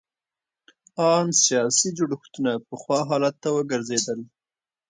ان سیاسي جوړښتونه پخوا حالت ته وګرځېدل.